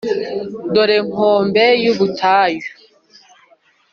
dore nkombe y'ubutayu